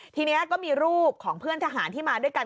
ทีนี้ก็มีรูปของเพื่อนทหารที่มาด้วยกัน